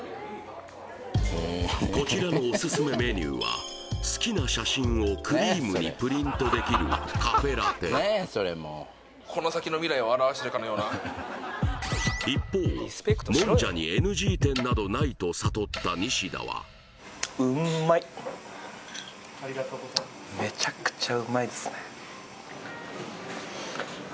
こちらのオススメメニューは好きな写真をクリームにプリントできるカフェラテ一方もんじゃにＮＧ店などないと悟ったニシダは・ありがとうございます